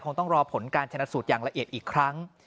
ต้องรอผลการชนะสูตรอย่างละเอียดอีกครั้ง